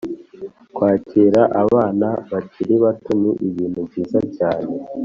Kwakira abana bakiri bato ni ibintu byiza cyane